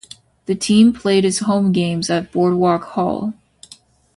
The team played its home games at Boardwalk Hall.